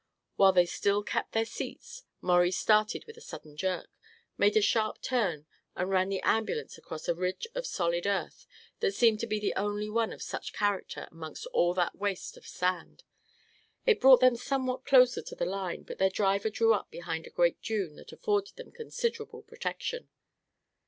While they still kept their seats, Maurie started with a sudden jerk, made a sharp turn and ran the ambulance across a ridge of solid earth that seemed to be the only one of such character amongst all that waste of sand. It brought them somewhat closer to the line but their driver drew up behind a great dune that afforded them considerable protection.